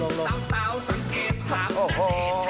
โอวโห